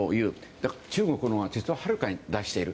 だから、中国のほうが実ははるかに出している。